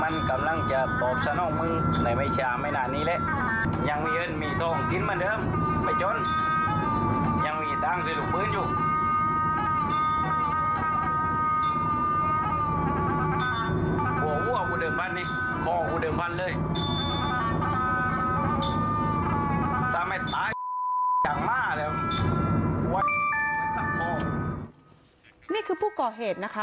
นี่คือผู้ก่อเหตุนะคะ